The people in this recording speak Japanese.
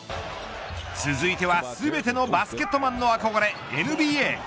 続いては、全てのバスケットマンの憧れ、ＮＢＡ。